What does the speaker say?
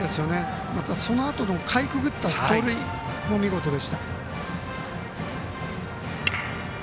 またそのあとのかいくぐった盗塁も見事でした。